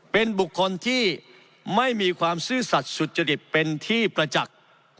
เป็นบุคคลที่ไม่มีความซื่อสัตว์สุจริตเป็นที่ประจักษ์